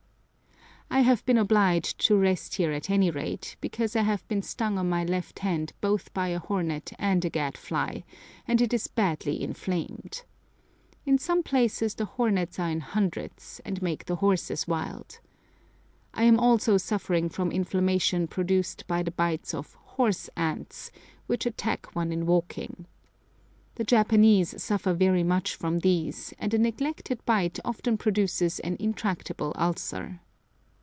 I have been obliged to rest here at any rate, because I have been stung on my left hand both by a hornet and a gadfly, and it is badly inflamed. In some places the hornets are in hundreds, and make the horses wild. I am also suffering from inflammation produced by the bites of "horse ants," which attack one in walking. The Japanese suffer very much from these, and a neglected bite often produces an intractable ulcer.